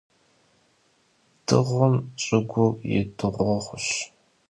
Dığum ş'ığur yi dığueğuş.